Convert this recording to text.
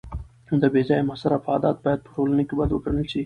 د بې ځایه مصرف عادت باید په ټولنه کي بد وګڼل سي.